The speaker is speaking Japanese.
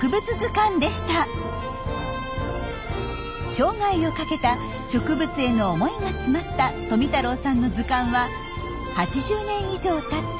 生涯をかけた植物への思いが詰まった富太郎さんの図鑑は８０年以上たった